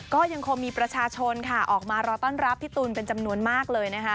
ก็ยังคงมีประชาชนค่ะออกมารอต้อนรับพี่ตูนเป็นจำนวนมากเลยนะคะ